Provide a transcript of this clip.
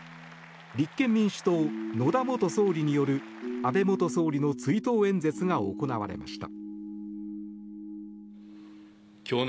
立憲民主党、野田元総理による安倍元総理の追悼演説が行われました。